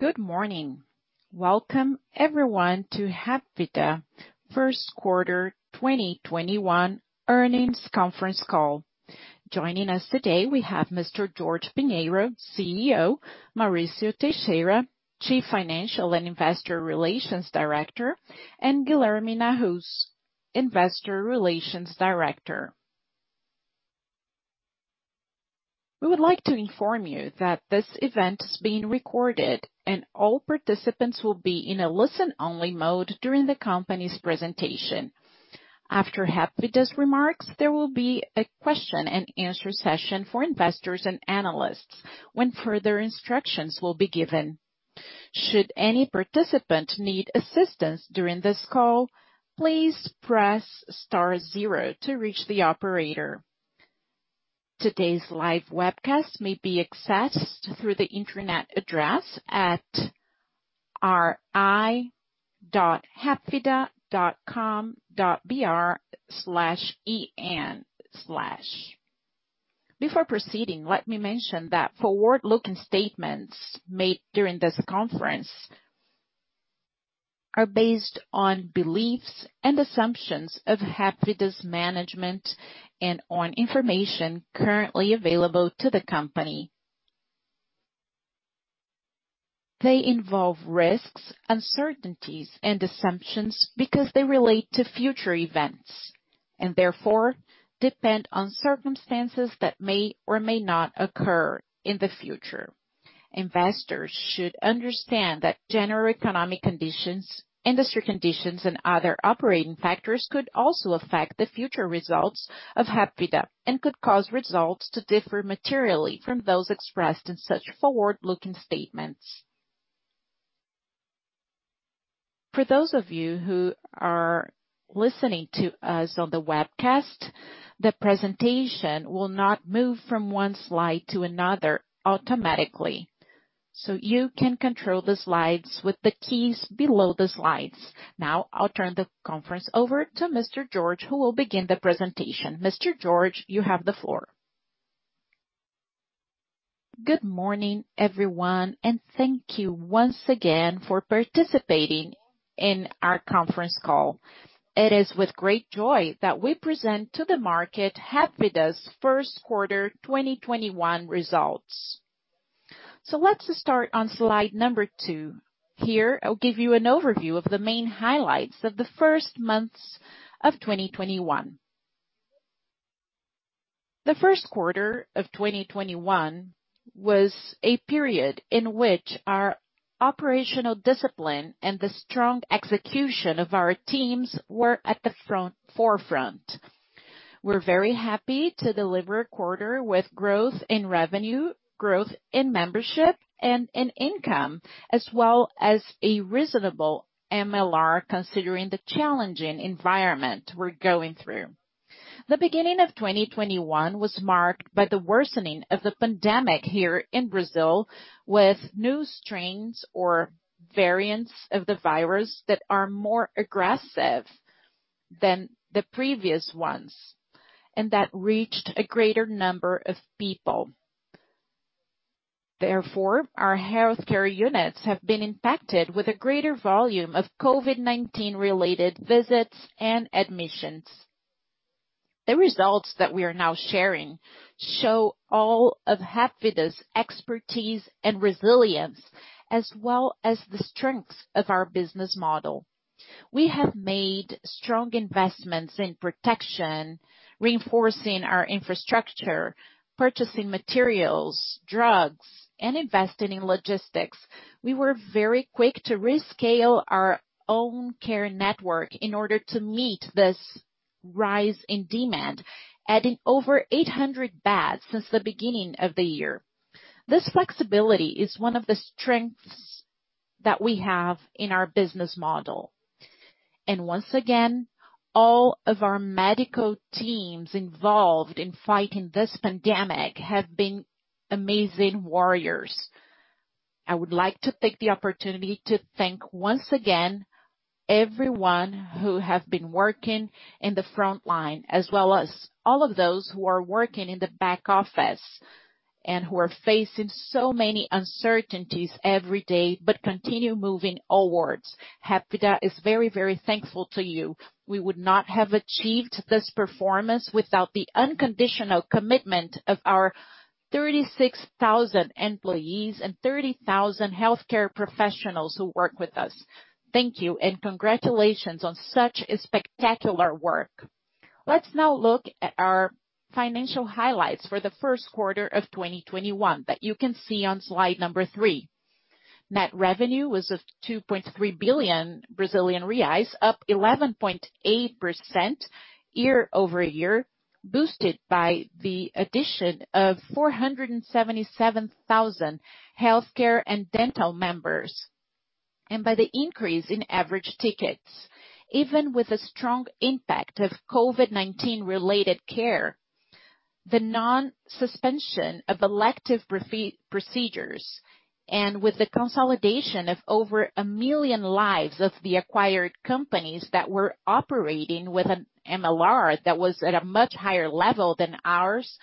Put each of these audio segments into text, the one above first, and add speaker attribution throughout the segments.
Speaker 1: Good morning. Welcome everyone to Hapvida first quarter 2021 earnings conference call. Joining us today we have Mr. Jorge Pinheiro, CEO, Mauricio Teixeira, Chief Financial and Investor Relations Director, and Guilherme Nahuz, Investor Relations Director. We would like to inform you that this event is being recorded, and all participants will be in a listen-only mode during the company's presentation. After Hapvida's remarks, there will be a question and answer session for investors and analysts when further instructions will be given. Should any participant need assistance during this call, please press star zero to reach the operator. Today's live webcast may be accessed through the internet address at ri.hapvida.com.br/en/. Before proceeding, let me mention that forward-looking statements made during this conference are based on beliefs and assumptions of Hapvida's management and on information currently available to the company. They involve risks, uncertainties, and assumptions because they relate to future events and therefore depend on circumstances that may or may not occur in the future. Investors should understand that general economic conditions, industry conditions, and other operating factors could also affect the future results of Hapvida and could cause results to differ materially from those expressed in such forward-looking statements. For those of you who are listening to us on the webcast, the presentation will not move from one slide to another automatically. You can control the slides with the keys below the slides. Now, I'll turn the conference over to Mr. Jorge, who will begin the presentation. Mr. Jorge, you have the floor.
Speaker 2: Good morning, everyone, and thank you once again for participating in our conference call. It is with great joy that we present to the market Hapvida's first quarter 2021 results. Let's start on slide number two. Here, I'll give you an overview of the main highlights of the first months of 2021. The first quarter of 2021 was a period in which our operational discipline and the strong execution of our teams were at the forefront. We're very happy to deliver a quarter with growth in revenue, growth in membership and in income, as well as a reasonable MLR considering the challenging environment we're going through. The beginning of 2021 was marked by the worsening of the pandemic here in Brazil with new strains or variants of the virus that are more aggressive than the previous ones, and that reached a greater number of people. Therefore, our healthcare units have been impacted with a greater volume of COVID-19 related visits and admissions. The results that we are now sharing show all of Hapvida's expertise and resilience, as well as the strengths of our business model. We have made strong investments in protection, reinforcing our infrastructure, purchasing materials, drugs, and investing in logistics. We were very quick to rescale our own care network in order to meet this rise in demand, adding over 800 beds since the beginning of the year. This flexibility is one of the strengths that we have in our business model. Once again, all of our medical teams involved in fighting this pandemic have been amazing warriors. I would like to take the opportunity to thank, once again, everyone who has been working in the front line as well as all of those who are working in the back office and who are facing so many uncertainties every day but continue moving onwards. Hapvida is very, very thankful to you. We would not have achieved this performance without the unconditional commitment of our 36,000 employees and 30,000 healthcare professionals who work with us. Thank you, and congratulations on such a spectacular work. Let's now look at our financial highlights for the first quarter of 2021 that you can see on slide number three. Net revenue was 2.3 billion Brazilian reais, up 11.8% year-over-year, boosted by the addition of 477,000 healthcare and dental members, and by the increase in average tickets. Even with a strong impact of COVID-19 related care, the non-suspension of elective procedures and with the consolidation of over one million lives of the acquired companies that were operating with an MLR that was at a much higher level than ours,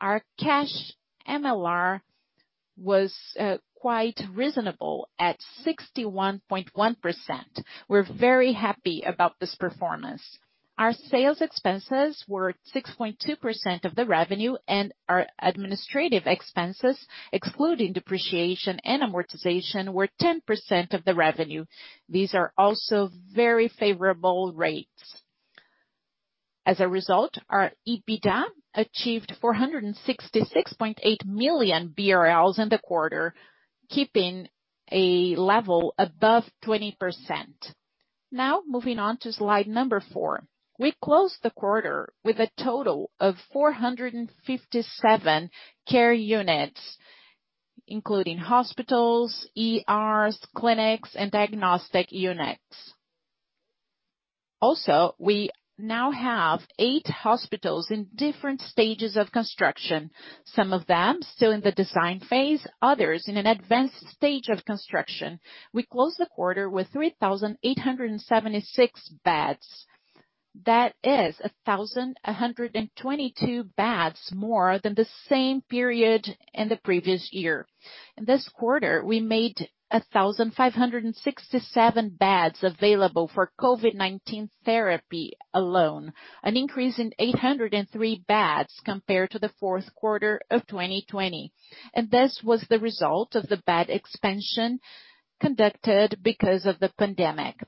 Speaker 2: our cash MLR was quite reasonable at 61.1%. We're very happy about this performance. Our sales expenses were 6.2% of the revenue and our administrative expenses, excluding depreciation and amortization, were 10% of the revenue. Our EBITDA achieved 466.8 million BRL in the quarter, keeping a level above 20%. Moving on to slide number four. We closed the quarter with a total of 457 care units, including hospitals, ERs, clinics, and diagnostic units. We now have eight hospitals in different stages of construction, some of them still in the design phase, others in an advanced stage of construction. We closed the quarter with 3,876 beds. That is 1,122 beds more than the same period in the previous year. This quarter, we made 1,567 beds available for COVID-19 therapy alone, an increase in 803 beds compared to the fourth quarter of 2020. This was the result of the bed expansion conducted because of the pandemic.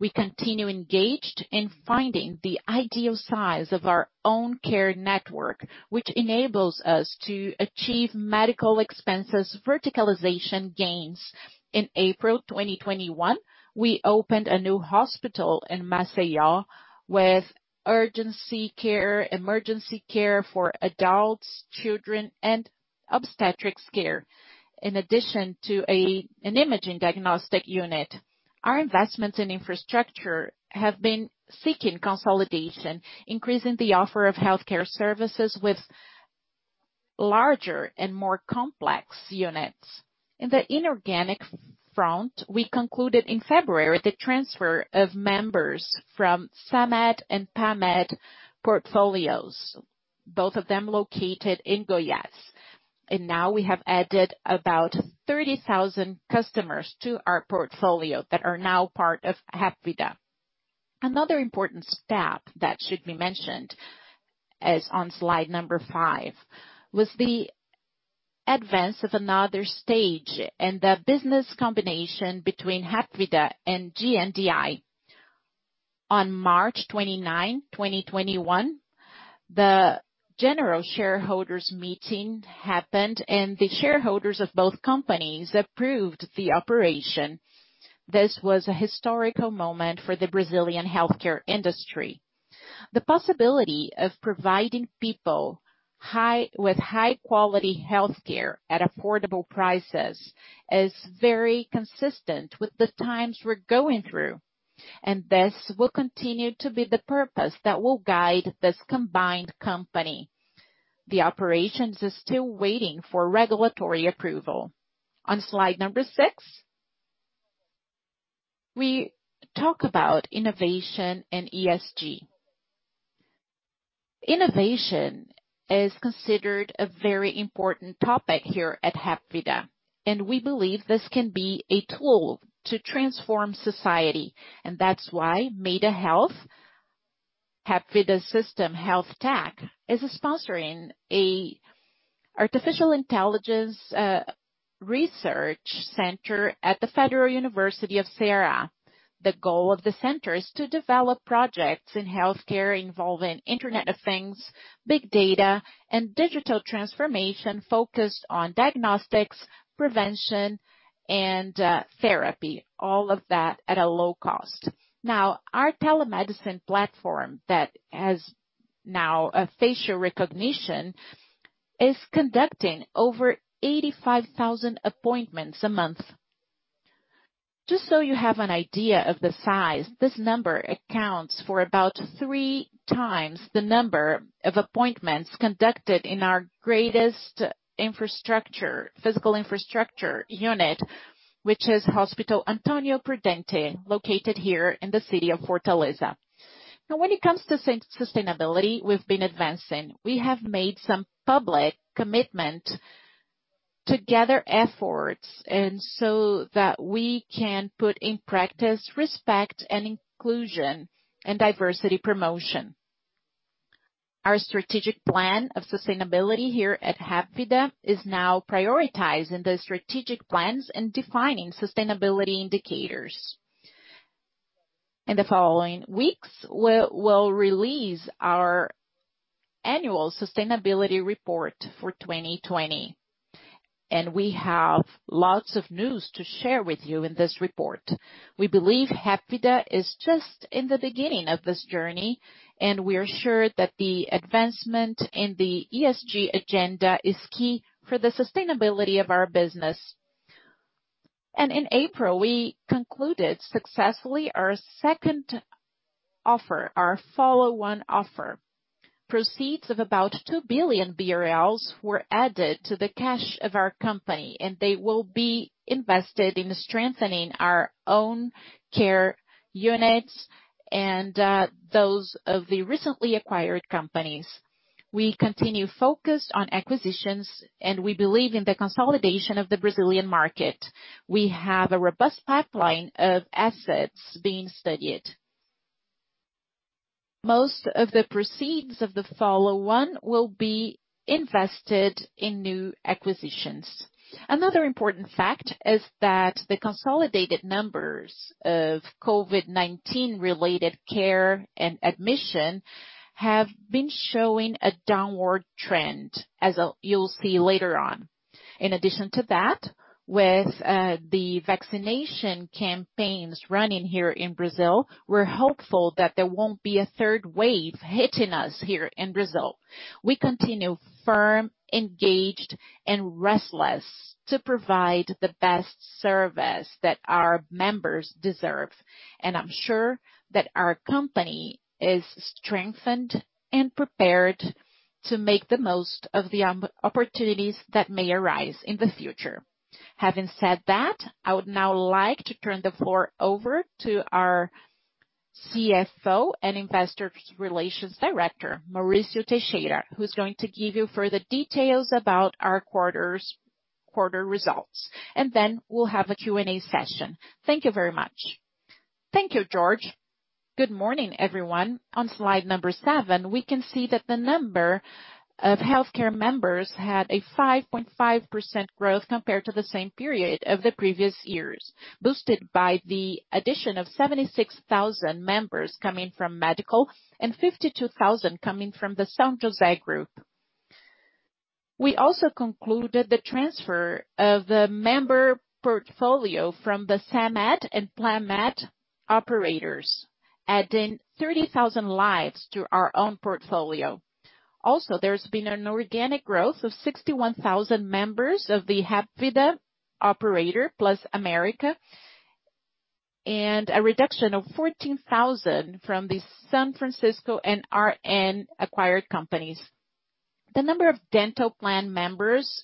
Speaker 2: We continue engaged in finding the ideal size of our own care network, which enables us to achieve medical expenses verticalization gains. In April 2021, we opened a new hospital in Maceió with urgency care, emergency care for adults, children, and obstetrics care, in addition to an imaging diagnostic unit. Our investments in infrastructure have been seeking consolidation, increasing the offer of healthcare services with larger and more complex units. In the inorganic front, we concluded in February the transfer of members from Samedh and Plamed portfolios, both of them located in Goiás. Now we have added about 30,000 customers to our portfolio that are now part of Hapvida. Another important step that should be mentioned, as on slide number five, was the advance of another stage in the business combination between Hapvida and GNDI. On March 29, 2021, the general shareholders meeting happened, and the shareholders of both companies approved the operation. This was a historical moment for the Brazilian healthcare industry. The possibility of providing people with high-quality healthcare at affordable prices is very consistent with the times we're going through. This will continue to be the purpose that will guide this combined company. The operations are still waiting for regulatory approval. On slide number six, we talk about innovation and ESG. Innovation is considered a very important topic here at Hapvida, and we believe this can be a tool to transform society. That's why Maida Health, Hapvida System Health Tech, is sponsoring a artificial intelligence research center at the Federal University of Ceará. The goal of the center is to develop projects in healthcare involving Internet of Things, big data, and digital transformation focused on diagnostics, prevention, and therapy, all of that at a low cost. Our telemedicine platform that has now a facial recognition, is conducting over 85,000 appointments a month. Just so you have an idea of the size, this number accounts for about three times the number of appointments conducted in our greatest physical infrastructure unit, which is Hospital Antônio Prudente, located here in the city of Fortaleza. When it comes to sustainability, we've been advancing. We have made some public commitment to gather efforts, and so that we can put in practice respect and inclusion and diversity promotion. Our strategic plan of sustainability here at Hapvida is now prioritizing the strategic plans and defining sustainability indicators. In the following weeks, we'll release our annual sustainability report for 2020. We have lots of news to share with you in this report. We believe Hapvida is just in the beginning of this journey, and we are sure that the advancement in the ESG agenda is key for the sustainability of our business. In April, we concluded successfully our second offer, our follow-on offer. Proceeds of about 2 billion BRL were added to the cash of our company, and they will be invested in strengthening our own care units and those of the recently acquired companies. We continue focused on acquisitions and we believe in the consolidation of the Brazilian market. We have a robust pipeline of assets being studied. Most of the proceeds of the follow-on will be invested in new acquisitions. Another important fact is that the consolidated numbers of COVID-19 related care and admission have been showing a downward trend, as you'll see later on. In addition to that, with the vaccination campaigns running here in Brazil, we're hopeful that there won't be a third wave hitting us here in Brazil. We continue firm, engaged, and restless to provide the best service that our members deserve. I'm sure that our company is strengthened and prepared to make the most of the opportunities that may arise in the future. Having said that, I would now like to turn the floor over to our CFO and Investor Relations Director, Mauricio Teixeira, who's going to give you further details about our quarter results. Then we'll have a Q&A session. Thank you very much.
Speaker 3: Thank you, Jorge. Good morning, everyone. On slide number seven, we can see that the number of healthcare members had a 5.5% growth compared to the same period of the previous years, boosted by the addition of 76,000 members coming from Medical and 52,000 coming from the Grupo São José. We also concluded the transfer of the member portfolio from the Samedh and Plamed operators, adding 30,000 lives to our own portfolio. Also, there's been an organic growth of 61,000 members of the Hapvida operator plus Grupo América, and a reduction of 14,000 from the Grupo São Francisco and RN Saúde acquired companies. The number of dental plan members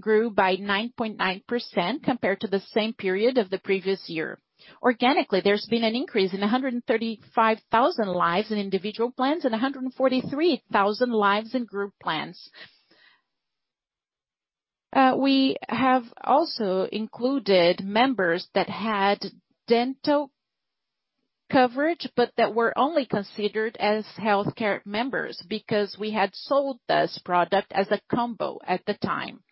Speaker 3: grew by 9.9% compared to the same period of the previous year. Organically, there's been an increase in 135,000 lives in individual plans and 143,000 lives in group plans. We have also included members that had dental coverage, but that were only considered as healthcare members because we had sold this product as a combo at the time.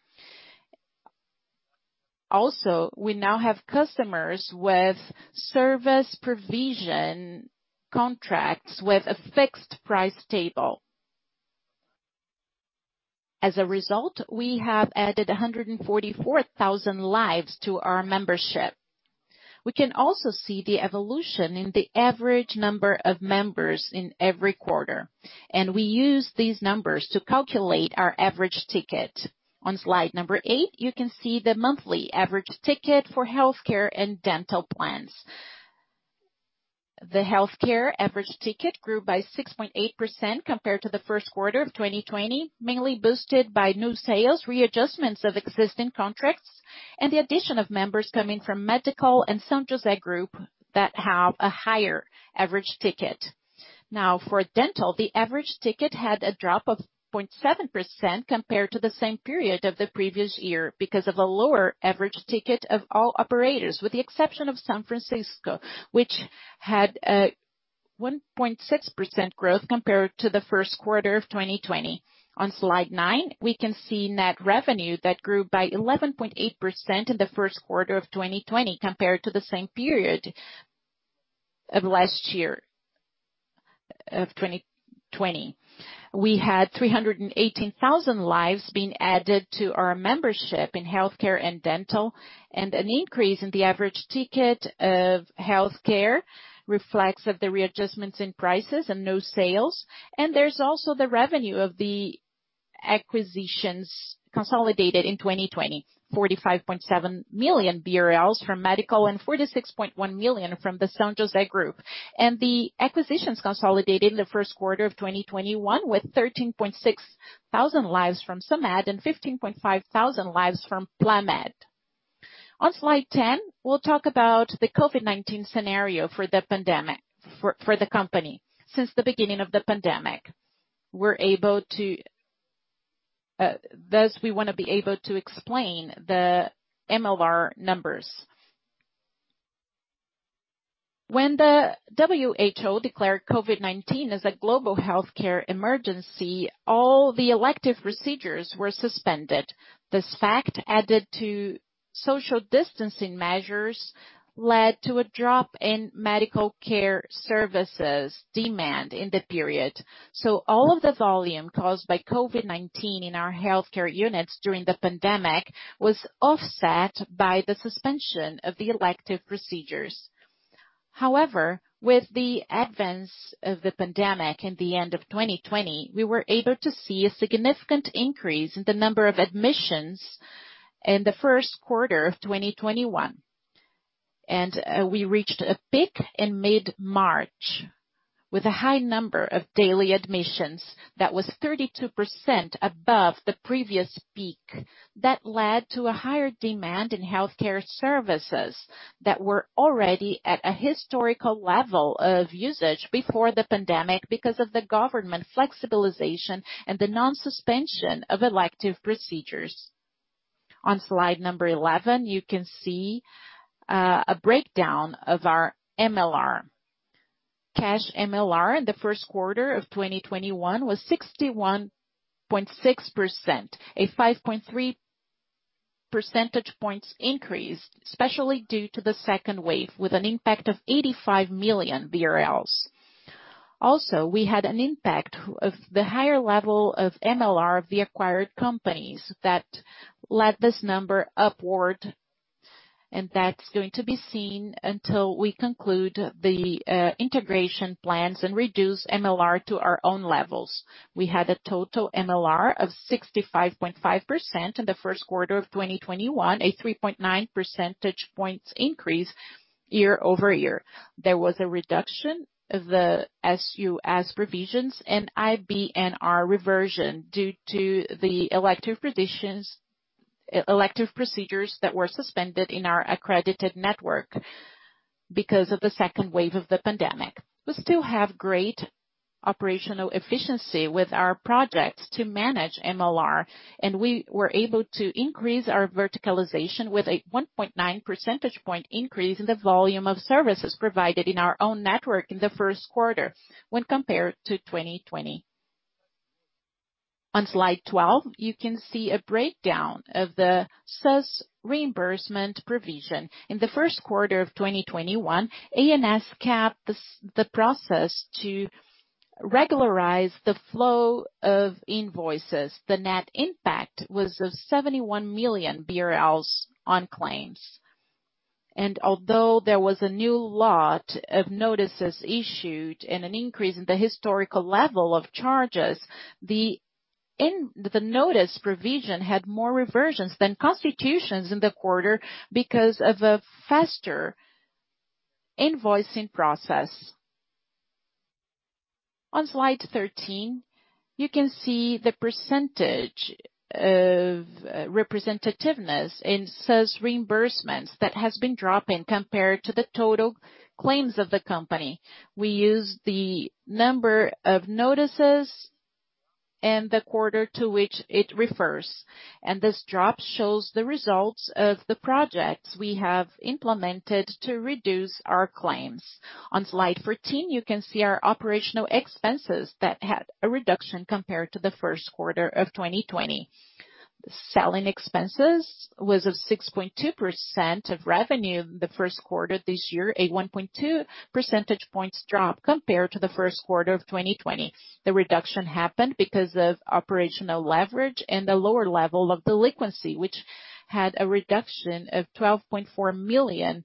Speaker 3: Also, we now have customers with service provision contracts with a fixed price table. As a result, we have added 144,000 lives to our membership. We can also see the evolution in the average number of members in every quarter, and we use these numbers to calculate our average ticket. On slide number eight, you can see the monthly average ticket for healthcare and dental plans. The healthcare average ticket grew by 6.8% compared to the first quarter of 2021, mainly boosted by new sales, readjustments of existing contracts, and the addition of members coming from Medical and Grupo São José that have a higher average ticket. For dental, the average ticket had a drop of 0.7% compared to the same period of the previous year because of a lower average ticket of all operators, with the exception of São Francisco, which had a 1.6% growth compared to the first quarter of 2021. On slide nine, we can see net revenue that grew by 11.8% in the first quarter of 2021 compared to the same period of last year, of 2020. We had 318,000 lives being added to our membership in healthcare and dental and an increase in the average ticket of healthcare reflects of the readjustments in prices and new sales. There's also the revenue of the acquisitions consolidated in 2020, 45.7 million BRL from Medical and 46.1 million from the São José Group. The acquisitions consolidated in the first quarter of 2021 with 13,600 lives from Samedh and 15,500 lives from Plamed. On slide 10, we'll talk about the COVID-19 scenario for the company. Since the beginning of the pandemic, thus we want to be able to explain the MLR numbers. When the WHO declared COVID-19 as a global healthcare emergency, all the elective procedures were suspended. This fact, added to social distancing measures, led to a drop in medical care services demand in the period. All of the volume caused by COVID-19 in our healthcare units during the pandemic was offset by the suspension of the elective procedures. With the advance of the pandemic in the end of 2020, we were able to see a significant increase in the number of admissions in the first quarter of 2021. We reached a peak in mid-March with a high number of daily admissions that was 32% above the previous peak. That led to a higher demand in healthcare services that were already at a historical level of usage before the pandemic because of the government flexibilization and the non-suspension of elective procedures. On slide number 11, you can see a breakdown of our MLR. Cash MLR in the first quarter of 2021 was 61.6%, a 5.3 percentage points increase, especially due to the second wave, with an impact of 85 million BRL. We had an impact of the higher level of MLR of the acquired companies that led this number upward. That's going to be seen until we conclude the integration plans and reduce MLR to our own levels. We had a total MLR of 65.5% in the first quarter of 2021, a 3.9 percentage points increase year-over-year. There was a reduction of the SUS provisions and IBNR reversion due to the elective procedures that were suspended in our accredited network because of the second wave of the pandemic. We still have great operational efficiency with our projects to manage MLR, and we were able to increase our verticalization with a 1.9 percentage point increase in the volume of services provided in our own network in the first quarter when compared to 2020. On slide 12, you can see a breakdown of the SUS reimbursement provision. In the first quarter of 2021, ANS capped the process to regularize the flow of invoices. The net impact was of 71 million BRL on claims. Although there was a new lot of notices issued and an increase in the historical level of charges, the notice provision had more reversions than constitutions in the quarter because of a faster invoicing process. On slide 13, you can see the percentage of representativeness in SUS reimbursements that has been dropping compared to the total claims of the company. We use the number of notices and the quarter to which it refers. This drop shows the results of the projects we have implemented to reduce our claims. On slide 14, you can see our operational expenses that had a reduction compared to the first quarter of 2020. Selling expenses was of 6.2% of revenue in the first quarter of this year, a 1.2 percentage points drop compared to the first quarter of 2020. The reduction happened because of operational leverage and a lower level of delinquency, which had a reduction of 12.4 million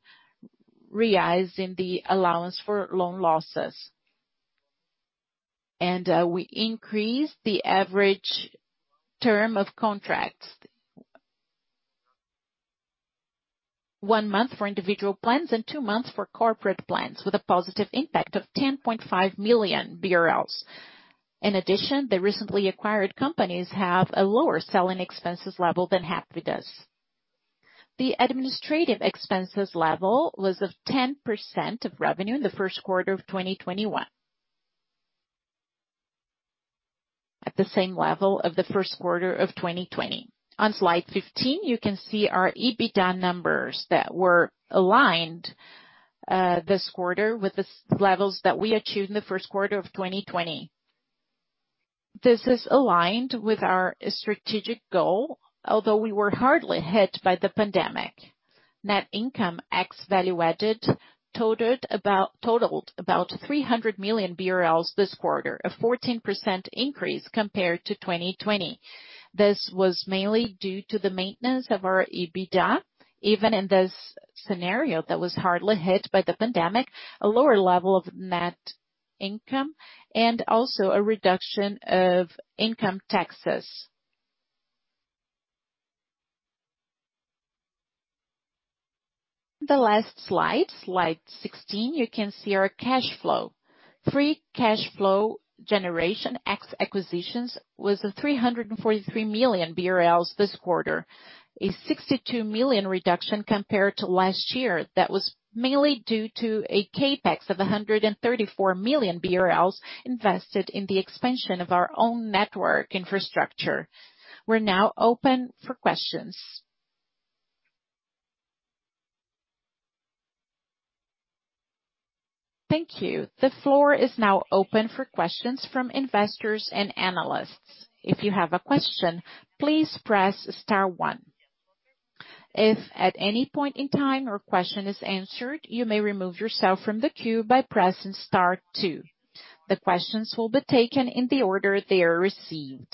Speaker 3: reais in the allowance for loan losses. We increased the average term of contracts. One month for individual plans and two months for corporate plans, with a positive impact of 10.5 million BRL. In addition, the recently acquired companies have a lower selling expenses level than Hapvida's. The administrative expenses level was of 10% of revenue in the first quarter of 2021. At the same level of the first quarter of 2020. On slide 15, you can see our EBITDA numbers that were aligned this quarter with the levels that we achieved in the first quarter of 2020. This is aligned with our strategic goal, although we were hardly hit by the pandemic. Net income ex value added totaled about 300 million BRL this quarter, a 14% increase compared to 2020. This was mainly due to the maintenance of our EBITDA, even in this scenario that was hardly hit by the pandemic, a lower level of net income, and also a reduction of income taxes. The last slide 16, you can see our cash flow. Free cash flow generation ex acquisitions was 343 million BRL this quarter, a 62 million reduction compared to last year that was mainly due to a CapEx of 134 million BRL invested in the expansion of our own network infrastructure. We're now open for questions.
Speaker 1: Thank you. The floor is now open for questions from investors and analysts. If you have a question, please press star one. If at any point in time your question is answered you may remove yourself from the queue by pressing star two. The questions will be taken in the order they are received.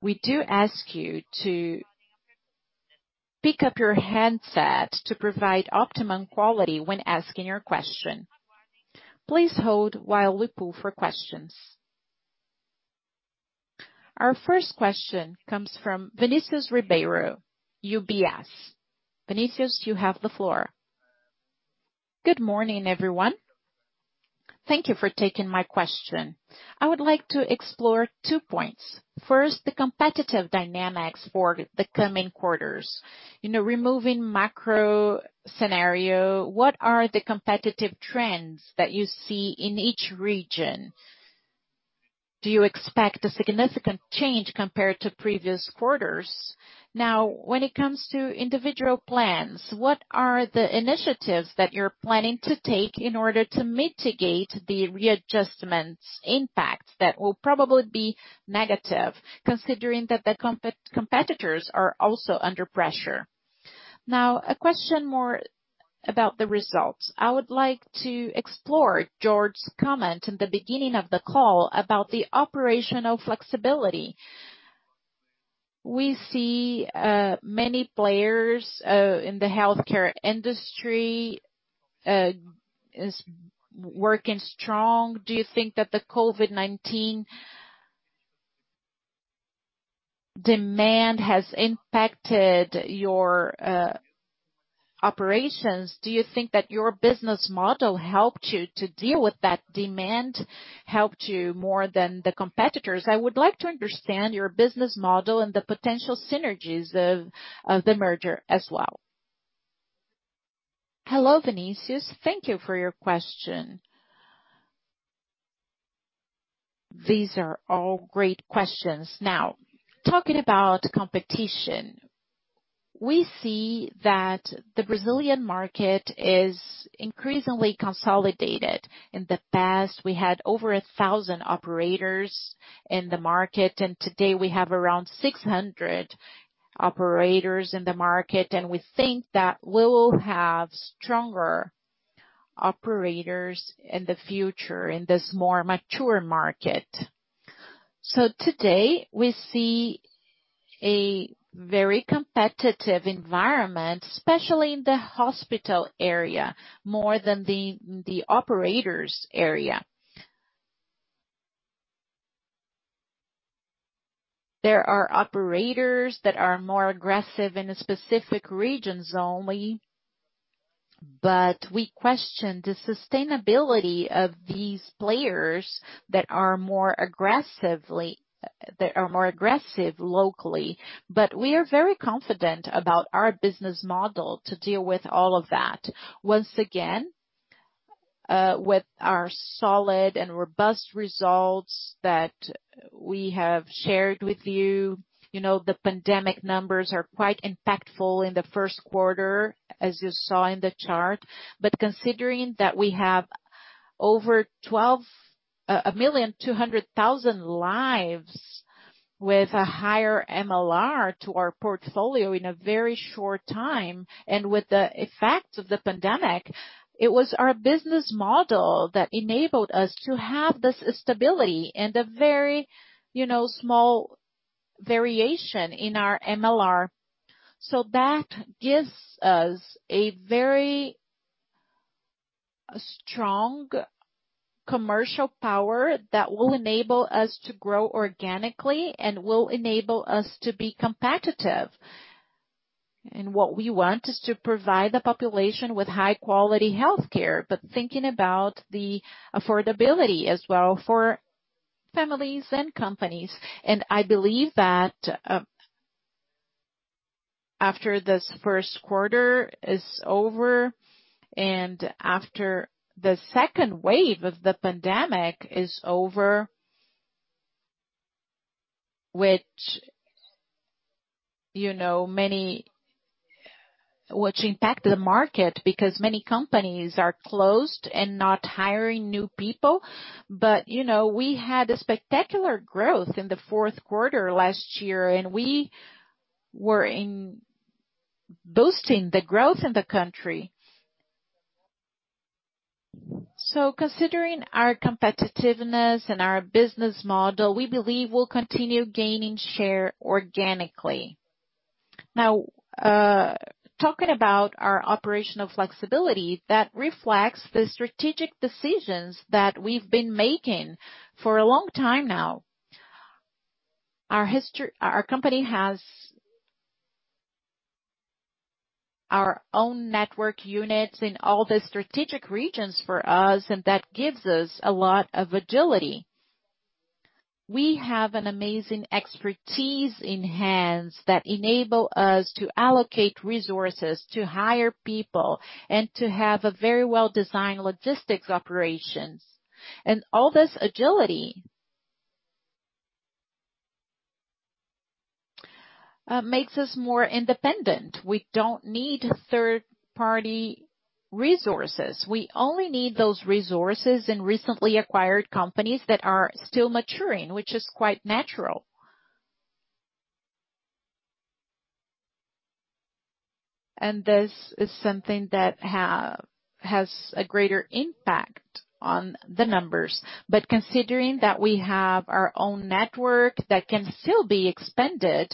Speaker 1: We do ask you to pick up your handset to provide optimum quality when asking a question. Please hold while we pull for questions. Our first question comes from Vinicius Ribeiro, UBS. Vinicius, you have the floor.
Speaker 4: Good morning, everyone. Thank you for taking my question. I would like to explore two points. First, the competitive dynamics for the coming quarters. Removing macro scenario, what are the competitive trends that you see in each region? Do you expect a significant change compared to previous quarters? Now, when it comes to individual plans, what are the initiatives that you're planning to take in order to mitigate the readjustment's impact that will probably be negative, considering that the competitors are also under pressure? Now, a question more about the results. I would like to explore Jorge's comment in the beginning of the call about the operational flexibility. We see many players in the healthcare industry is working strong. Do you think that the COVID-19 demand has impacted your operations? Do you think that your business model helped you to deal with that demand, helped you more than the competitors? I would like to understand your business model and the potential synergies of the merger as well.
Speaker 2: Hello, Vinicius. Thank you for your question. These are all great questions. Now, talking about competition, we see that the Brazilian market is increasingly consolidated. In the past, we had over 1,000 operators in the market, today we have around 600 operators in the market, we think that we will have stronger operators in the future in this more mature market. Today, we see a very competitive environment, especially in the hospital area, more than the operators area. There are operators that are more aggressive in the specific regions only, we question the sustainability of these players that are more aggressive locally. We are very confident about our business model to deal with all of that. Once again, with our solid and robust results that we have shared with you. The pandemic numbers are quite impactful in the first quarter, as you saw in the chart. Considering that we have over 1,200,000 lives with a higher MLR to our portfolio in a very short time, and with the effects of the pandemic, it was our business model that enabled us to have this stability and a very small variation in our MLR. That gives us a very strong commercial power that will enable us to grow organically and will enable us to be competitive. What we want is to provide the population with high-quality healthcare, but thinking about the affordability as well for families and companies. I believe that after this first quarter is over and after the second wave of the pandemic is over, which impacted the market because many companies are closed and not hiring new people. We had a spectacular growth in the fourth quarter last year, and we were boosting the growth in the country. Considering our competitiveness and our business model, we believe we'll continue gaining share organically. Now, talking about our operational flexibility, that reflects the strategic decisions that we've been making for a long time now. Our company has our own network units in all the strategic regions for us, and that gives us a lot of agility. We have an amazing expertise in hands that enable us to allocate resources, to hire people, and to have a very well-designed logistics operations. All this agility makes us more independent. We don't need third-party resources. We only need those resources in recently acquired companies that are still maturing, which is quite natural. This is something that has a greater impact on the numbers. Considering that we have our own network that can still be expanded,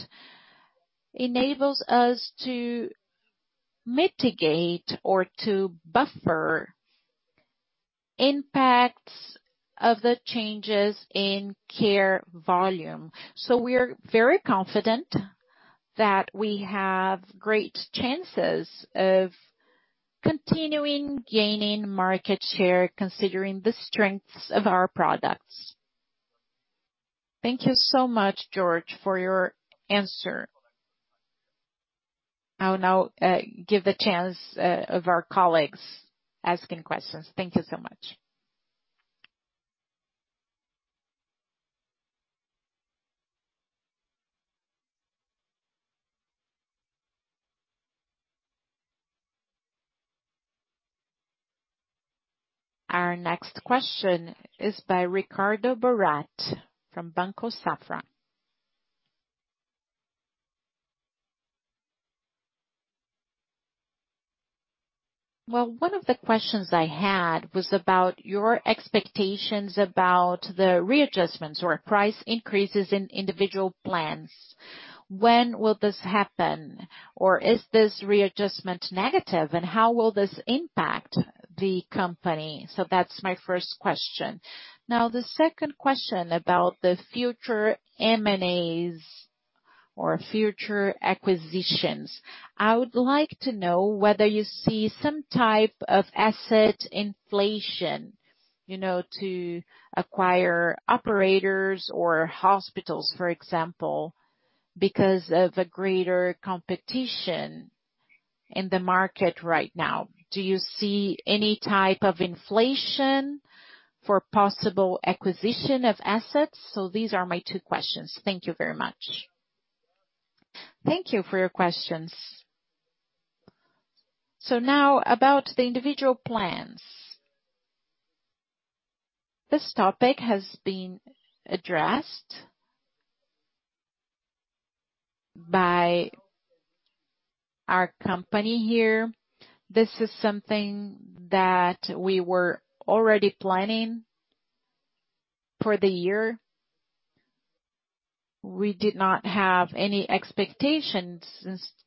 Speaker 2: enables us to mitigate or to buffer impacts of the changes in care volume. We are very confident that we have great chances of continuing gaining market share, considering the strengths of our products.
Speaker 4: Thank you so much, Jorge, for your answer. I will now give the chance of our colleagues asking questions. Thank you so much.
Speaker 1: Our next question is by Ricardo Boiati from Banco Safra.
Speaker 5: One of the questions I had was about your expectations about the readjustments or price increases in individual plans. When will this happen? Or is this readjustment negative, and how will this impact the company? That's my first question. The second question about the future M&As or future acquisitions. I would like to know whether you see some type of asset inflation, to acquire operators or hospitals, for example, because of a greater competition in the market right now. Do you see any type of inflation for possible acquisition of assets? These are my two questions. Thank you very much.
Speaker 2: Thank you for your questions. Now about the individual plans. This topic has been addressed by our company here. This is something that we were already planning for the year. We did not have any expectations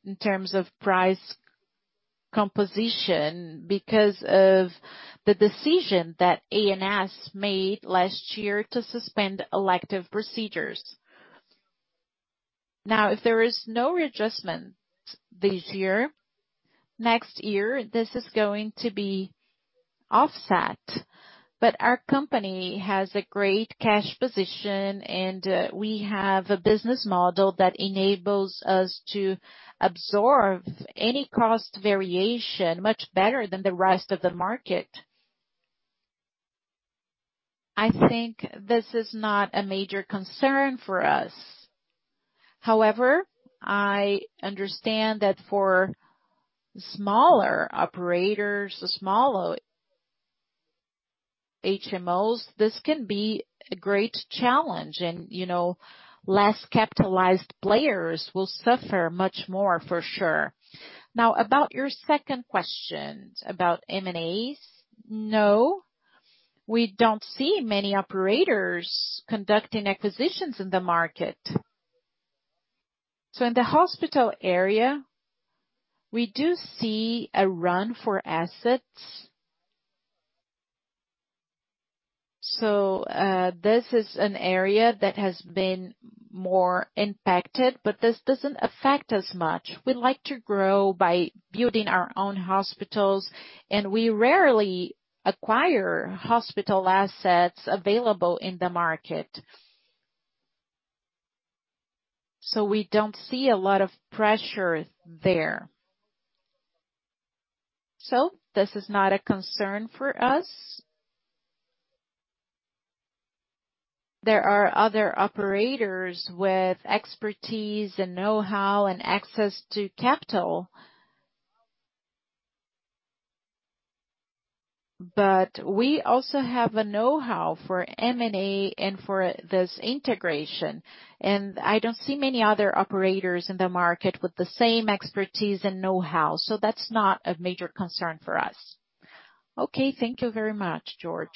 Speaker 2: in terms of price composition because of the decision that ANS made last year to suspend elective procedures. Now, if there is no readjustment this year, next year, this is going to be offset. Our company has a great cash position, and we have a business model that enables us to absorb any cost variation much better than the rest of the market. I think this is not a major concern for us. However, I understand that for smaller operators, the smaller HMOs, this can be a great challenge and less capitalized players will suffer much more for sure. About your second question about M&As. No, we don't see many operators conducting acquisitions in the market. In the hospital area, we do see a run for assets. This is an area that has been more impacted, but this doesn't affect us much. We like to grow by building our own hospitals, and we rarely acquire hospital assets available in the market. We don't see a lot of pressure there. This is not a concern for us. There are other operators with expertise and know-how and access to capital. We also have a know-how for M&A and for this integration, and I don't see many other operators in the market with the same expertise and know-how, so that's not a major concern for us.
Speaker 5: Okay. Thank you very much, Jorge.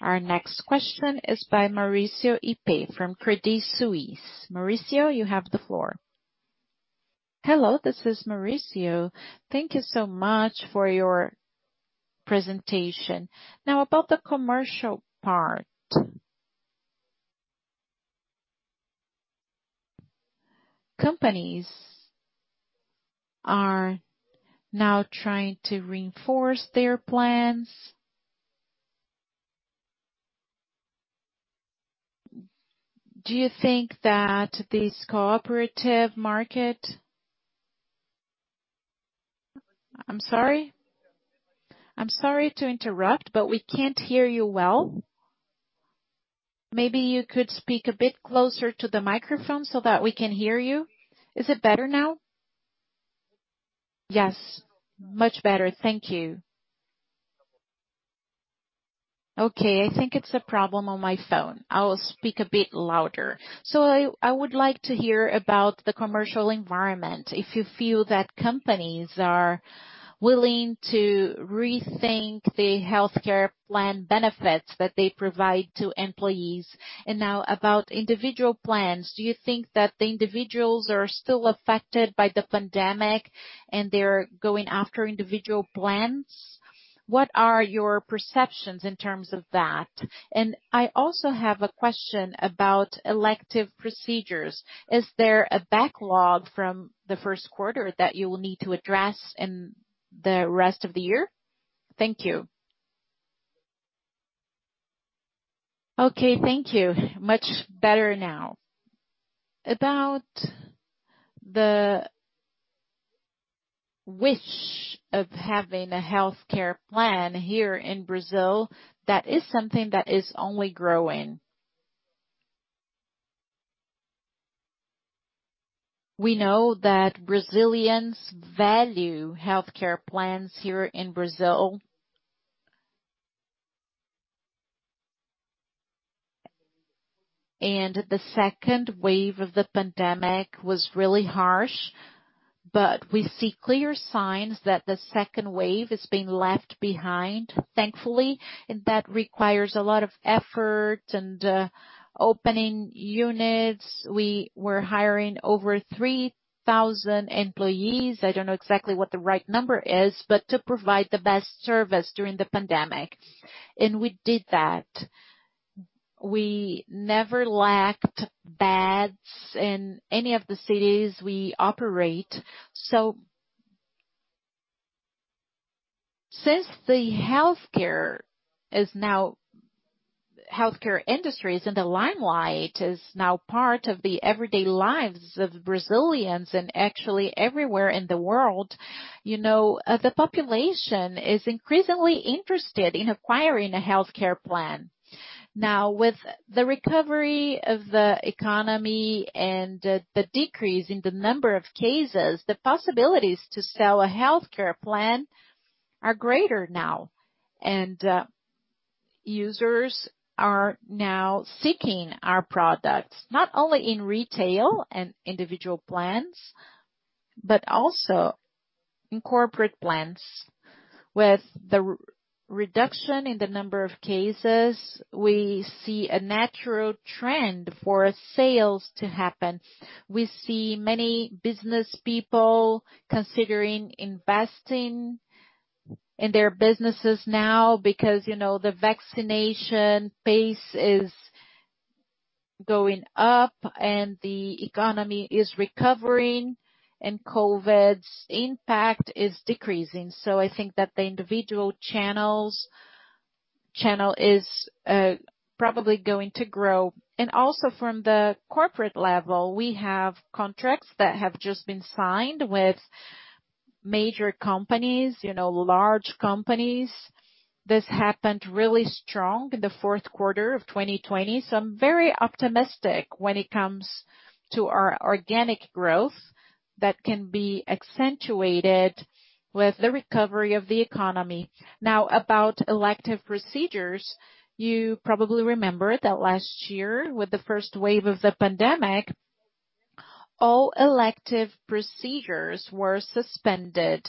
Speaker 1: Our next question is by Mauricio Cepeda from Credit Suisse. Mauricio, you have the floor.
Speaker 6: Hello, this is Mauricio. Thank you so much for your presentation. Now about the commercial part. Companies are now trying to reinforce their plans. Do you think that this cooperative market--
Speaker 2: I'm sorry to interrupt, but we can't hear you well. Maybe you could speak a bit closer to the microphone so that we can hear you.
Speaker 6: Is it better now?
Speaker 2: Yes, much better. Thank you.
Speaker 6: Okay, I think it's a problem on my phone. I will speak a bit louder. I would like to hear about the commercial environment. If you feel that companies are willing to rethink the healthcare plan benefits that they provide to employees. About individual plans, do you think that the individuals are still affected by the pandemic and they're going after individual plans? What are your perceptions in terms of that? I also have a question about elective procedures. Is there a backlog from the first quarter that you will need to address in the rest of the year? Thank you.
Speaker 2: Okay, thank you. Much better now. About the wish of having a healthcare plan here in Brazil, that is something that is only growing. We know that Brazilians value healthcare plans here in Brazil. The second wave of the pandemic was really harsh, but we see clear signs that the second wave is being left behind, thankfully, and that requires a lot of effort and opening units. We were hiring over 3,000 employees, I don't know exactly what the right number is, but to provide the best service during the pandemic. We did that. We never lacked beds in any of the cities we operate. Since the healthcare industry is in the limelight, is now part of the everyday lives of Brazilians and actually everywhere in the world, the population is increasingly interested in acquiring a healthcare plan. Now, with the recovery of the economy and the decrease in the number of cases, the possibilities to sell a healthcare plan are greater now. Users are now seeking our products, not only in retail and individual plans, but also in corporate plans. With the reduction in the number of cases, we see a natural trend for sales to happen. We see many business people considering investing in their businesses now because the vaccination pace is going up and the economy is recovering and COVID-19's impact is decreasing. I think that the individual channel is probably going to grow. Also from the corporate level, we have contracts that have just been signed with major companies, large companies. This happened really strong in the fourth quarter of 2020. I'm very optimistic when it comes to our organic growth that can be accentuated with the recovery of the economy. About elective procedures. You probably remember that last year, with the first wave of the pandemic, all elective procedures were suspended,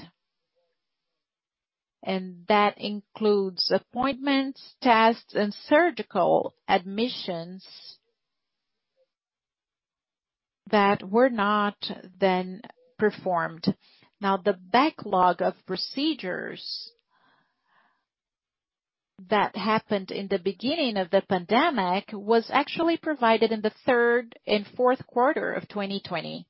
Speaker 2: and that includes appointments, tests, and surgical admissions that were not then performed. The backlog of procedures that happened in the beginning of the pandemic was actually provided in the third and fourth quarter of 2020.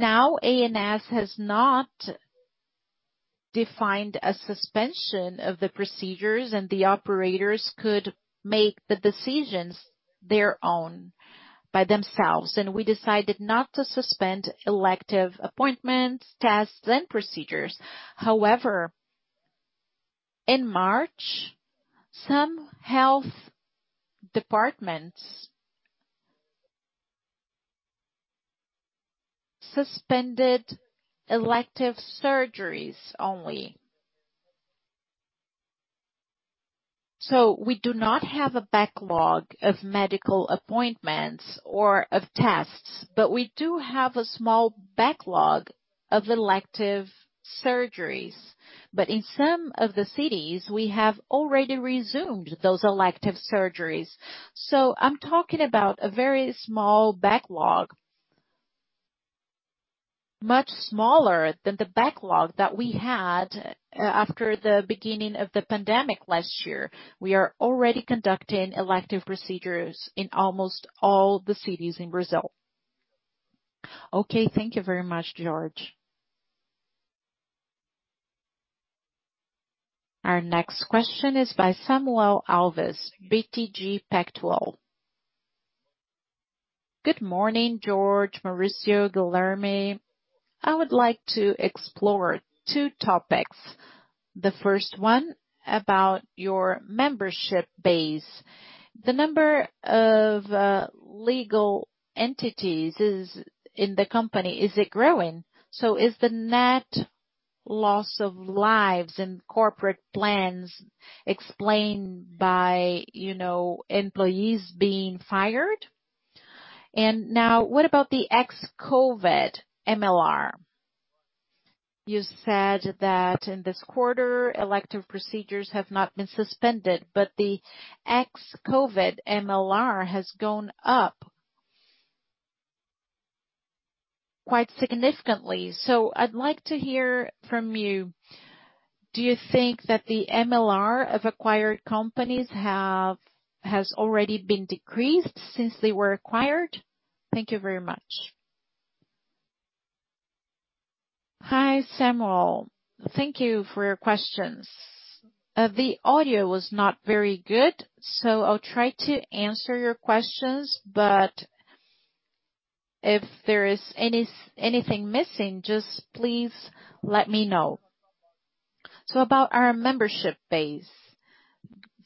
Speaker 2: ANS has not defined a suspension of the procedures, and the operators could make the decisions their own by themselves. We decided not to suspend elective appointments, tests, and procedures. However, in March, some health departments suspended elective surgeries only. We do not have a backlog of medical appointments or of tests, but we do have a small backlog of elective surgeries. In some of the cities, we have already resumed those elective surgeries. I'm talking about a very small backlog, much smaller than the backlog that we had after the beginning of the pandemic last year. We are already conducting elective procedures in almost all the cities in Brazil.
Speaker 6: Okay, thank you very much, Jorge.
Speaker 1: Our next question is by Samuel Alves, BTG Pactual.
Speaker 7: Good morning, Jorge, Mauricio, Guilherme. I would like to explore two topics. The first one, about your membership base. The number of legal entities in the company, is it growing? Is the net loss of lives and corporate plans explained by employees being fired? now, what about the ex-COVID-19 MLR? You said that in this quarter, elective procedures have not been suspended. The ex-COVID MLR has gone up quite significantly. I'd like to hear from you. Do you think that the MLR of acquired companies has already been decreased since they were acquired? Thank you very much.
Speaker 2: Hi, Samuel. Thank you for your questions. The audio was not very good. I'll try to answer your questions. If there is anything missing, just please let me know. About our membership base,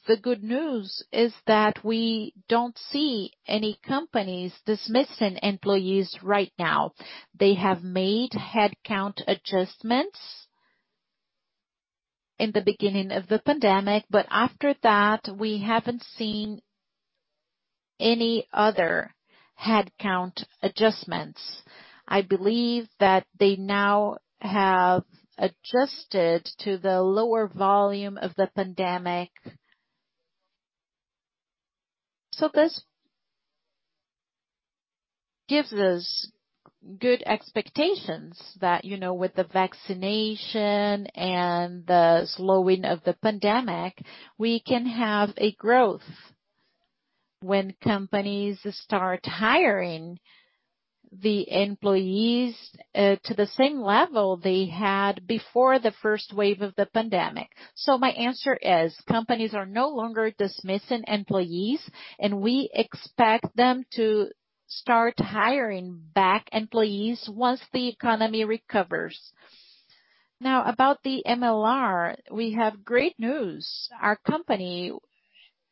Speaker 2: the good news is that we don't see any companies dismissing employees right now. They have made headcount adjustments in the beginning of the pandemic. After that, we haven't seen any other headcount adjustments. I believe that they now have adjusted to the lower volume of the pandemic. This gives us good expectations that with the vaccination and the slowing of the pandemic, we can have a growth when companies start hiring the employees to the same level they had before the first wave of the pandemic. My answer is, companies are no longer dismissing employees, and we expect them to start hiring back employees once the economy recovers. About the MLR, we have great news. Our company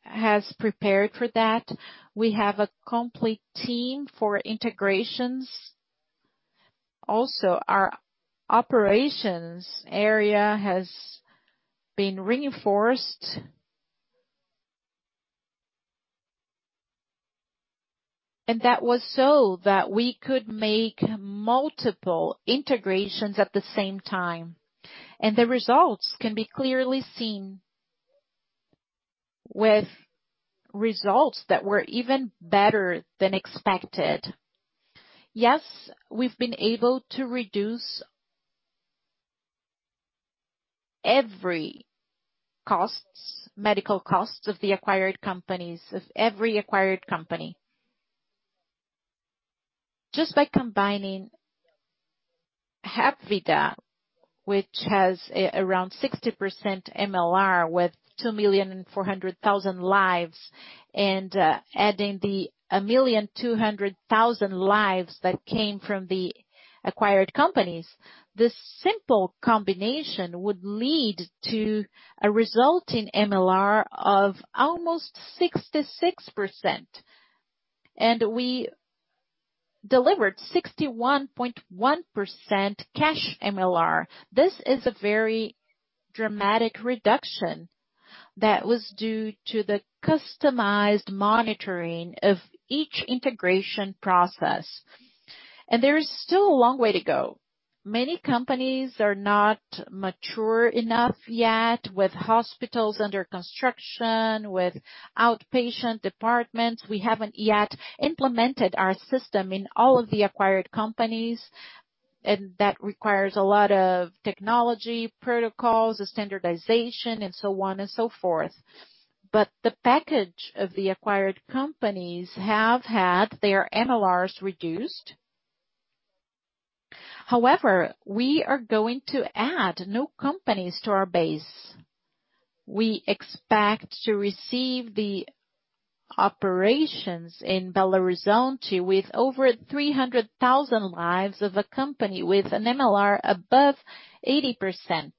Speaker 2: has prepared for that. We have a complete team for integrations. Also, our operations area has been reinforced. That was so that we could make multiple integrations at the same time, and the results can be clearly seen with results that were even better than expected. Yes, we've been able to reduce every medical costs of every acquired company. Just by combining Hapvida, which has around 60% MLR with 2,400,000 lives and adding the 1,200,000 lives that came from the acquired companies, this simple combination would lead to a result in MLR of almost 66%. We delivered 61.1% cash MLR. This is a very dramatic reduction that was due to the customized monitoring of each integration process. There is still a long way to go. Many companies are not mature enough yet with hospitals under construction, with outpatient departments. We haven't yet implemented our system in all of the acquired companies, and that requires a lot of technology, protocols, standardization, and so on and so forth. The package of the acquired companies have had their MLRs reduced. However, we are going to add new companies to our base. We expect to receive the operations in Belo Horizonte with over 300,000 lives of a company with an MLR above 80%.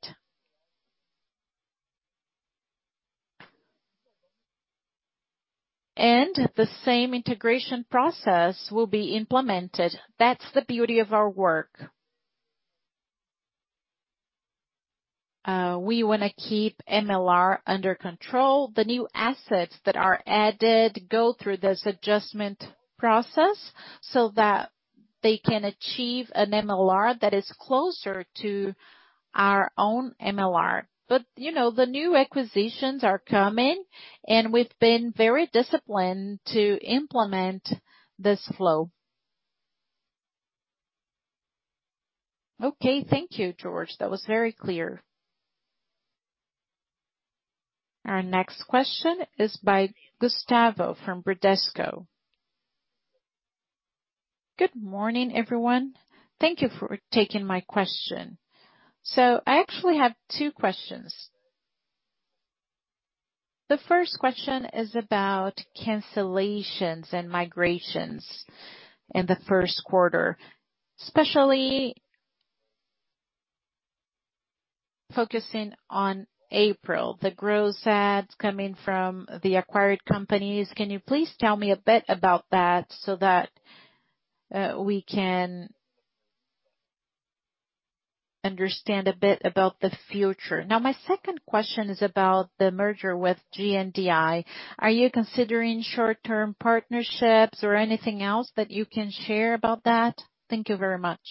Speaker 2: The same integration process will be implemented. That's the beauty of our work. We want to keep MLR under control. The new assets that are added go through this adjustment process so that they can achieve an MLR that is closer to our own MLR. The new acquisitions are coming, and we've been very disciplined to implement this flow.
Speaker 7: Okay. Thank you, Jorge. That was very clear.
Speaker 1: Our next question is by Gustavo from Bradesco.
Speaker 8: Good morning, everyone. Thank you for taking my question. I actually have two questions. The first question is about cancellations and migrations in the first quarter, especially focusing on April, the gross adds coming from the acquired companies. Can you please tell me a bit about that so that we can understand a bit about the future? My second question is about the merger with GNDI. Are you considering short-term partnerships or anything else that you can share about that? Thank you very much.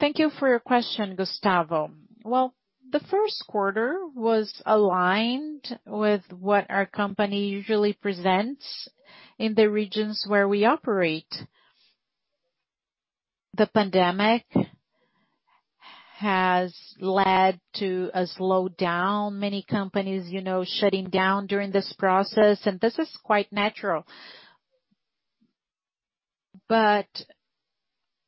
Speaker 2: Thank you for your question, Gustavo. Well, the first quarter was aligned with what our company usually presents in the regions where we operate. The pandemic has led to a slowdown. Many companies shutting down during this process, and this is quite natural.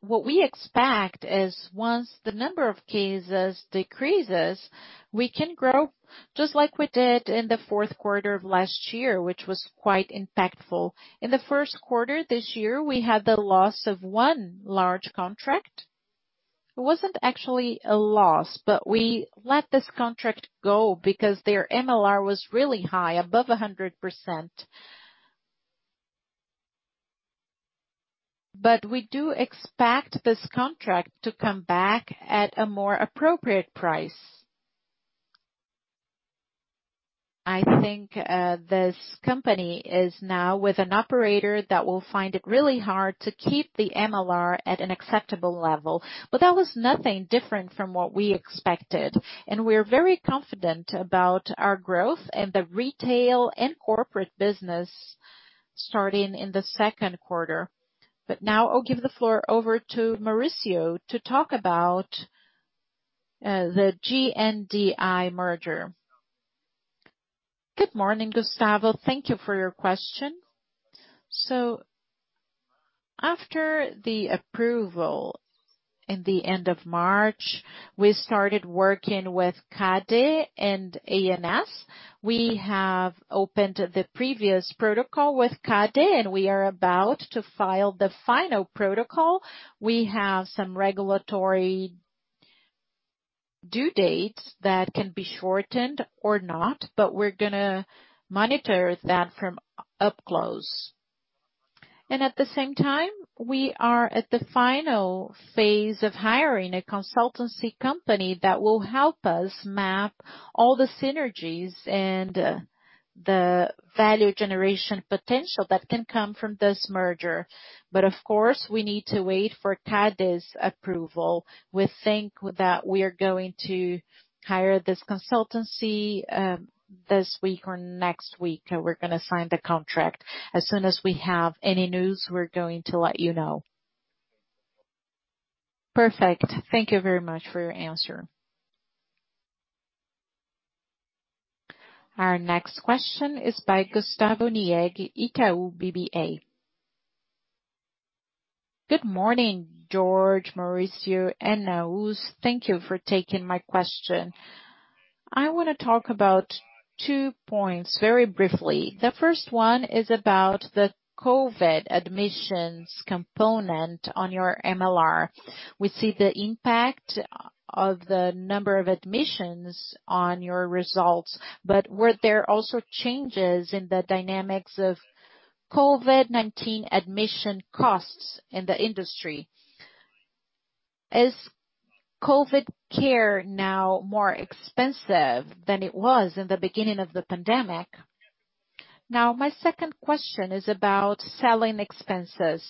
Speaker 2: What we expect is once the number of cases decreases, we can grow just like we did in the fourth quarter of last year, which was quite impactful. In the first quarter this year, we had the loss of one large contract. It wasn't actually a loss, we let this contract go because their MLR was really high, above 100%. We do expect this contract to come back at a more appropriate price. I think this company is now with an operator that will find it really hard to keep the MLR at an acceptable level. That was nothing different from what we expected, and we're very confident about our growth and the retail and corporate business starting in the second quarter. Now I'll give the floor over to Mauricio to talk about the GNDI merger.
Speaker 3: Good morning, Gustavo. Thank you for your question. After the approval in the end of March, we started working with CADE and ANS. We have opened the previous protocol with CADE, and we are about to file the final protocol. We have some regulatory due dates that can be shortened or not, we're going to monitor that from up close. At the same time, we are at the final phase of hiring a consultancy company that will help us map all the synergies and the value generation potential that can come from this merger. Of course, we need to wait for CADE's approval. We think that we are going to hire this consultancy this week or next week. We're going to sign the contract. As soon as we have any news, we're going to let you know.
Speaker 8: Perfect. Thank you very much for your answer.
Speaker 1: Our next question is by Gustavo Miele, Itaú BBA.
Speaker 9: Good morning, Jorge, Mauricio, and Nahuz. Thank you for taking my question. I want to talk about two points very briefly. The first one is about the COVID-19 admissions component on your MLR. We see the impact of the number of admissions on your results, but were there also changes in the dynamics of COVID-19 admission costs in the industry? Is COVID care now more expensive than it was in the beginning of the pandemic? My second question is about selling expenses.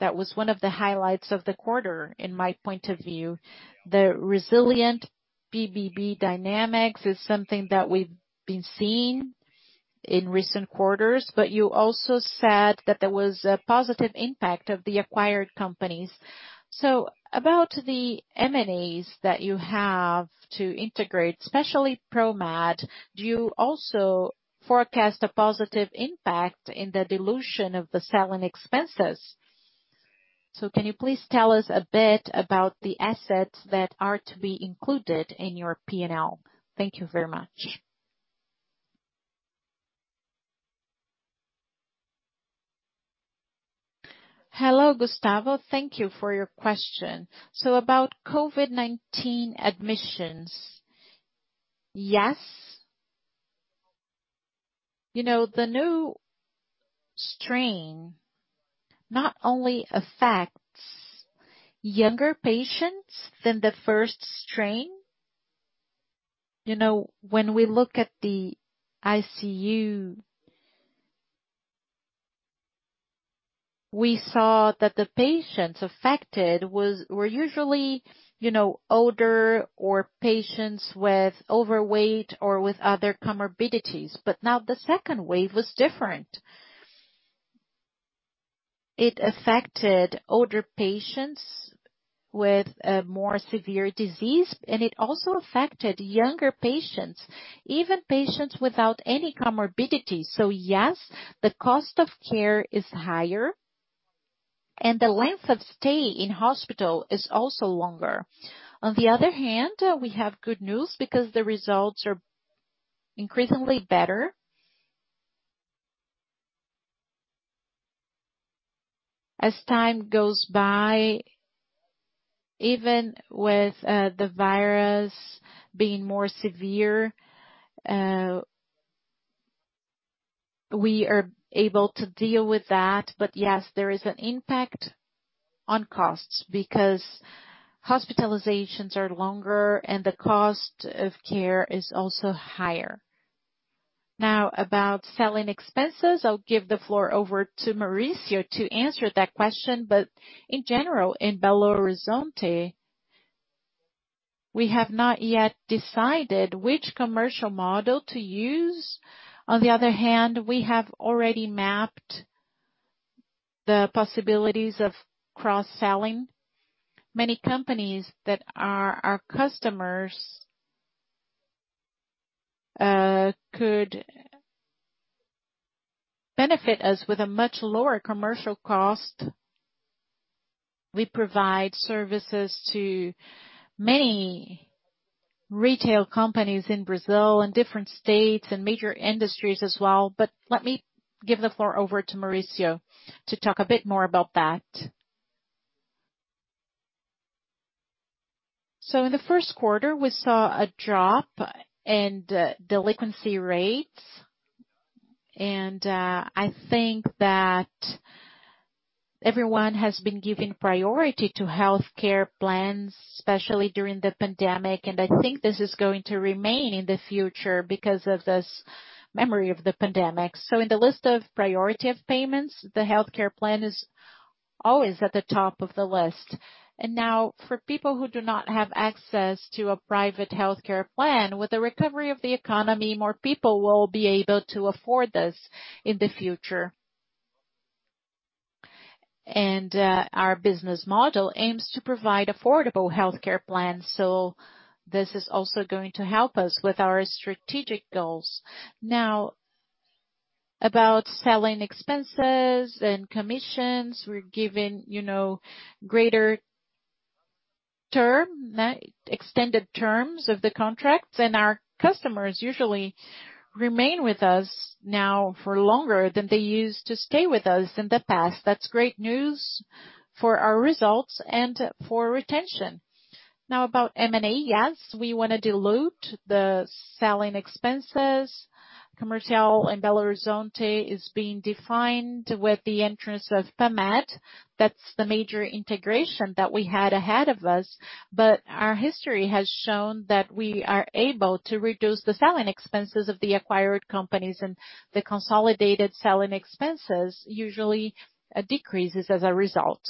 Speaker 9: That was one of the highlights of the quarter in my point of view. The resilient B2B dynamics is something that we've been seeing in recent quarters, you also said that there was a positive impact of the acquired companies. About the M&As that you have to integrate, especially Promed, do you also forecast a positive impact in the dilution of the selling expenses? Can you please tell us a bit about the assets that are to be included in your P&L? Thank you very much.
Speaker 2: Hello, Gustavo. Thank you for your question. About COVID-19 admissions. Yes. The new strain not only affects younger patients than the first strain. When we look at the ICU, we saw that the patients affected were usually older or patients with overweight or with other comorbidities. Now the second wave was different. It affected older patients with a more severe disease, and it also affected younger patients, even patients without any comorbidity. Yes, the cost of care is higher, and the length of stay in hospital is also longer. On the other hand, we have good news because the results are increasingly better. As time goes by, even with the virus being more severe, we are able to deal with that. Yes, there is an impact on costs because hospitalizations are longer and the cost of care is also higher. Now, about selling expenses. I'll give the floor over to Mauricio to answer that question. In general, in Belo Horizonte, we have not yet decided which commercial model to use. On the other hand, we have already mapped the possibilities of cross-selling. Many companies that are our customers could benefit us with a much lower commercial cost. We provide services to many retail companies in Brazil and different states, and major industries as well. Let me give the floor over to Mauricio to talk a bit more about that.
Speaker 3: In the first quarter, we saw a drop in delinquency rates, and I think that everyone has been giving priority to healthcare plans, especially during the pandemic, and I think this is going to remain in the future because of this memory of the pandemic. In the list of priority of payments, the healthcare plan is always at the top of the list. Now, for people who do not have access to a private healthcare plan, with the recovery of the economy, more people will be able to afford this in the future. Our business model aims to provide affordable healthcare plans, so this is also going to help us with our strategic goals. About selling expenses and commissions, we're giving extended terms of the contracts, and our customers usually remain with us now for longer than they used to stay with us in the past. That's great news for our results and for retention. About M&A, yes, we want to dilute the selling expenses. Commercial in Belo Horizonte is being defined with the entrance of Promed. That's the major integration that we had ahead of us. Our history has shown that we are able to reduce the selling expenses of the acquired companies, and the consolidated selling expenses usually decreases as a result.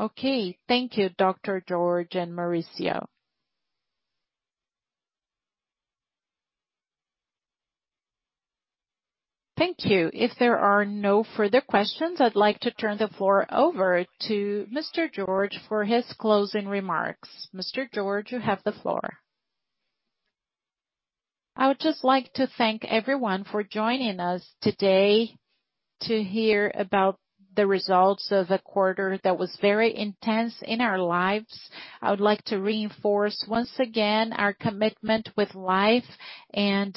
Speaker 9: Okay. Thank you, Dr. Jorge and Mauricio.
Speaker 1: Thank you. If there are no further questions, I'd like to turn the floor over to Mr. Jorge for his closing remarks. Mr. Jorge, you have the floor.
Speaker 2: I would just like to thank everyone for joining us today to hear about the results of a quarter that was very intense in our lives. I would like to reinforce, once again, our commitment with life and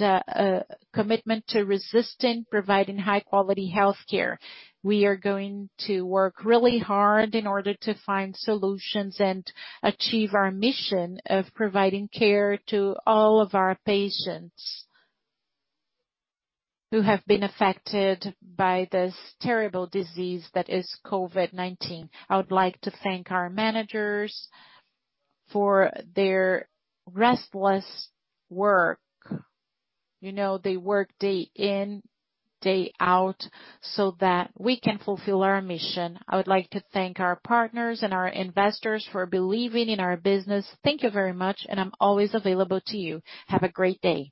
Speaker 2: commitment to resistant, providing high-quality healthcare. We are going to work really hard in order to find solutions and achieve our mission of providing care to all of our patients who have been affected by this terrible disease that is COVID-19. I would like to thank our managers for their restless work. They work day in, day out so that we can fulfill our mission. I would like to thank our partners and our investors for believing in our business. Thank you very much, and I'm always available to you. Have a great day.